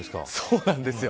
そうなんですよ。